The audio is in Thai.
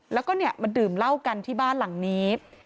แล้วก็มาดื่มเหล้ากันที่บ้านหลังนี้